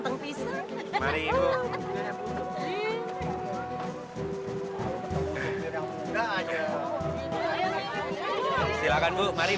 supirnya yang ada ganteng pisang